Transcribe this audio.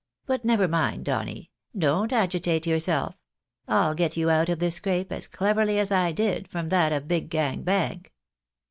But never mind, Donny; don't agitate yourself. I'll get you out of this scrape, as cleverly as I did from that of Big Gang Bank."